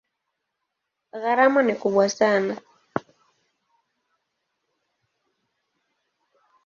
Gharama ni kubwa sana.